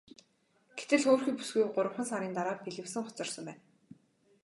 Гэтэл хөөрхий бүсгүй гуравхан сарын дараа бэлэвсрэн хоцорсон байна.